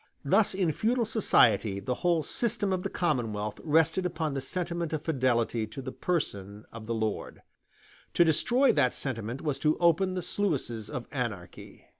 Thus in feudal society the whole system of the commonwealth rested upon the sentiment of fidelity to the person of the lord: to destroy that sentiment was to open the sluices of anarchy.